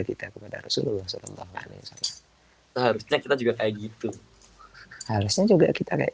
kita kepada rasulullah saw harusnya kita juga kayak gitu harusnya juga kita kayak